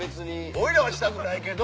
俺らはしたくないけど。